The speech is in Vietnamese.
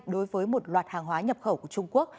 đối với một loạt hàng hóa nhập khẩu của trung quốc